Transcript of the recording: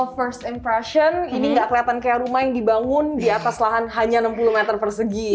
first impression ini gak kelihatan kayak rumah yang dibangun di atas lahan hanya enam puluh meter persegi